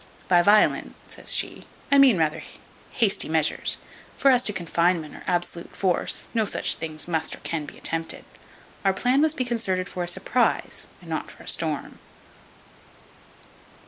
By violent," says she, "I mean rather, hasty measures; for as to confinement or absolute force, no such things must or can be attempted. Our plan must be concerted for a surprize, and not for a storm."